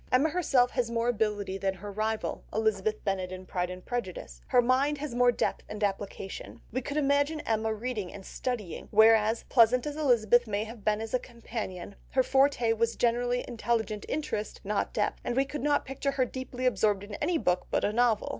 Emma herself has more ability than her rival, Elizabeth Bennet, in Pride and Prejudice; her mind has more depth and application: we could imagine Emma reading and studying, whereas, pleasant as Elizabeth might have been as a companion, her forte was general intelligent interest not depth, and we could not picture her deeply absorbed in any book but a novel.